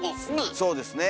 そうですね。